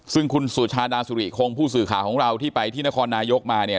ซึ่งคุณสุชาดาสุริคงผู้สื่อข่าวของเราที่ไปที่นครนายกมาเนี่ย